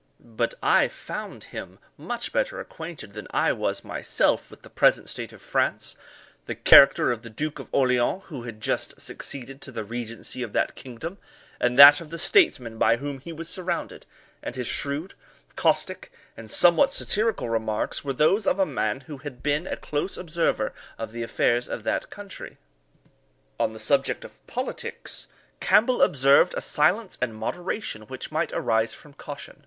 But I found him much better acquainted than I was myself with the present state of France, the character of the Duke of Orleans, who had just succeeded to the regency of that kingdom, and that of the statesmen by whom he was surrounded; and his shrewd, caustic, and somewhat satirical remarks, were those of a man who had been a close observer of the affairs of that country. On the subject of politics, Campbell observed a silence and moderation which might arise from caution.